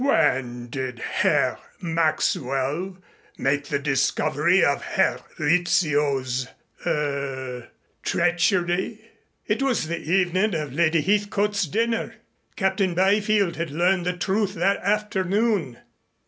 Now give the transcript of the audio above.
"When did Herr Maxwell make the discovery of Herr Rizzio's er treachery?" "It was the evening of Lady Heathcote's dinner. Captain Byfield had learned the truth that afternoon."